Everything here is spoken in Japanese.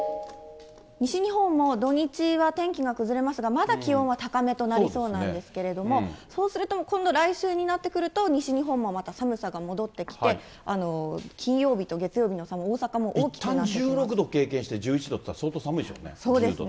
西日本も土日は天気が崩れますが、まだ気温は高めとなりそうなんですけれども、そうすると今度、来週になってくると、西日本もまた寒さが戻ってきて、金曜日と月曜日の差も、いったん１６度経験して、１１度というのは相当寒いでしょうね。